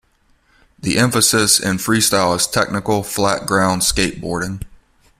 The emphasis in freestyle is technical flat ground skateboarding.